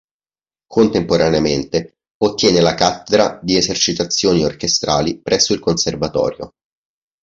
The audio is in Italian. Contemporaneamente ottiene la cattedra di Esercitazioni Orchestrali presso il Conservatorio.